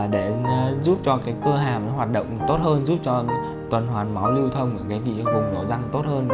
để giúp cho cái cơ hàm nó hoạt động tốt hơn giúp cho tuần hoàn máu lưu thông ở cái vị vùng nổ răng tốt hơn